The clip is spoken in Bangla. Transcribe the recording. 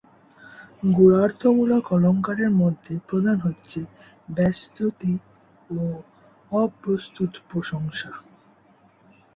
গূঢ়ার্থমূলক অলঙ্কারের মধ্যে প্রধান হচ্ছে ব্যাজস্ত্ততি ও অপ্রস্ত্ততপ্রশংসা।